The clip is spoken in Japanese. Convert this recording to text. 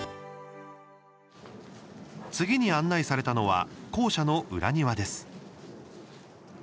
次に案内されたのは校舎の裏庭です。